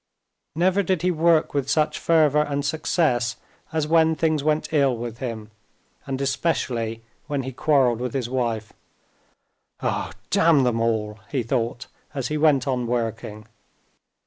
Never did he work with such fervor and success as when things went ill with him, and especially when he quarreled with his wife. "Oh! damn them all!" he thought as he went on working.